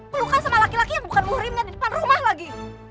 pelukan sama laki laki yang bukan murimnya di depan rumah lagi